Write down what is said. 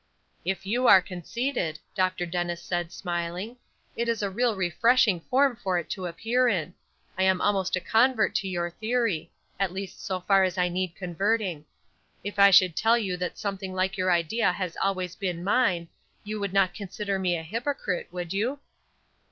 "If you are conceited," Dr. Dennis said, smiling, "it is a real refreshing form for it to appear in. I am almost a convert to your theory; at least so far as I need converting. If I should tell you that something like your idea has always been mine, you would not consider me a hypocrite, would you?"